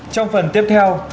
trong phần tiếp theo